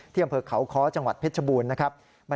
ที่อเมืองเขาคจังหวัดเพชรบูรณ์นะครับ